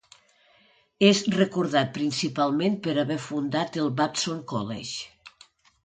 És recordat principalment per haver fundat el Babson College.